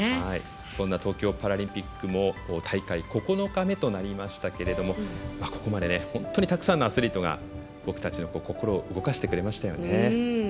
そんな東京パラリンピックも大会９日目となりましたがここまで本当にたくさんのアスリートが私たちの心を動かしてくれましたよね。